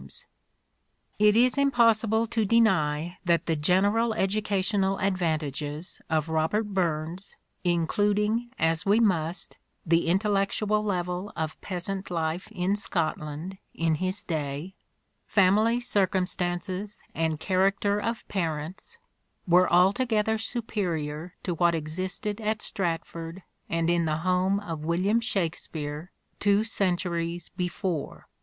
jo " SHAKESPEARE " IDENTIFIED Sh»kspere it is impossible to deny that the general educational and Burns. advantages of Robert Burns, including, as we must, the intellectual level of peasant life in Scotland in his day, family circumstances and character of parents, were altogether superior to what existed at Stratford and in the home of William Shakspere two centuries before.